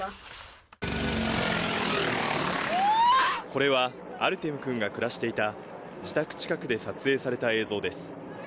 これはアルテム君が暮らしていた、自宅近くで撮影された映像です。